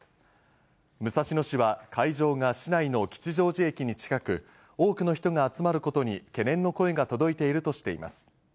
武蔵野市は、会場が市内の吉祥寺駅に近く、多くの人が集まることに懸念の声が届いているとしています。